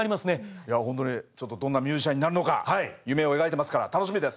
いやホントにちょっとどんなミュージシャンになるのか夢を描いてますから楽しみです。